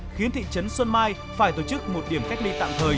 khiến thị trấn xuân mai phải tổ chức một điểm cách ly tạm thời